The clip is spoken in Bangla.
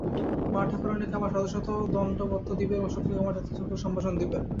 মা-ঠাকুরাণীকে আমার শত শত দণ্ডবৎ দিবে এবং সকলকে আমার যথাযোগ্য সম্ভাষণ দিবে।